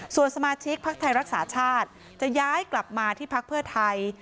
ส่วนสมาชิกพักไทยรักษาชาติจะย้ายกลับมาที่พักเพื่อไทย